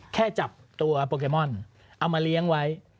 แค่จับตัวโปเกมอนเอามาเลี้ยงไว้